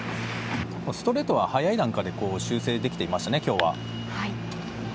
ストレートは早い段階で修正できていましたね、今日は。